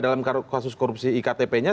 dalam kasus korupsi iktp nya